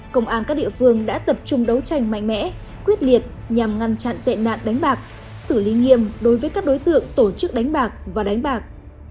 công an các địa phương đã tập trung đấu tranh mạnh mẽ quyết liệt nhằm ngăn chặn tệ nạn đánh bạc xử lý nghiêm đối với các đối tượng tổ chức đánh bạc và đánh bạc